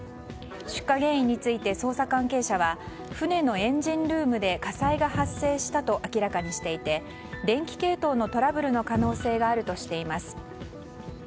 出火原因について捜査関係者は船のエンジンルームで火災が発生したと明らかにしていて電気系統のトラブルの可能性があるとしています。